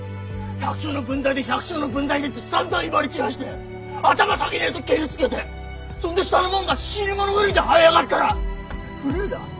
「百姓の分際で百姓の分際で」ってさんざん威張り散らして頭下げねえと蹴りつけてそんで下の者が死に物狂いではい上がったら古いだ？